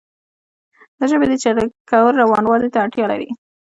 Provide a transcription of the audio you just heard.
د ژبې ډیجیټل کول روانوالي ته اړتیا لري.